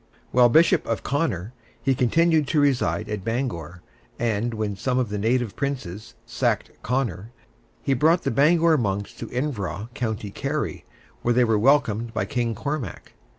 While Bishop of Connor, he continued to reside at Bangor, and when some of the native princes sacked Connor, he brought the Bangor monks to Iveragh, County Kerry, where they were welcomed by King Cormac.